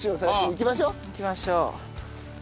行きましょう。